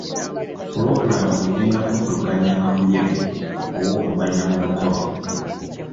Pulogulamu egenda kuddukanya kakuyege ow'okumanya mu mukolo.